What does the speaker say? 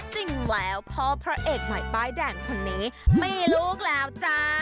จริงแล้วพ่อพระเอกใหม่ป้ายแดงคนนี้มีลูกแล้วจ้า